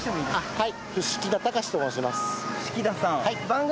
はい。